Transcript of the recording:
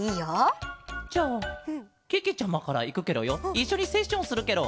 いっしょにセッションするケロ。